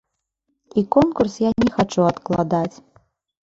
І конкурс я не хачу адкладаць.